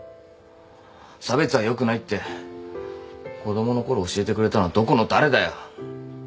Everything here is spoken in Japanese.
差別は良くないって子供のころ教えてくれたのどこの誰だよ。